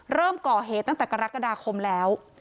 เริ่มก่อเหตุตั้งแต่กรกฎาคมแล้ว